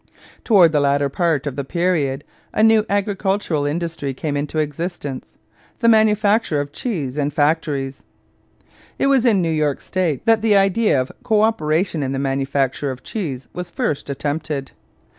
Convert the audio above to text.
Towards the latter part of the period a new agricultural industry came into existence the manufacture of cheese in factories. It was in New York State that the idea of co operation in the manufacture of cheese was first attempted.